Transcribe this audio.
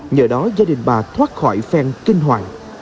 nhờ đó gia đình bà thoát khỏi phen kinh hoàng